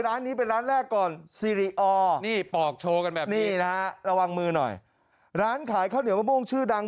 ร้านขายข้าวเหนียวมะม่วงชื่อดัง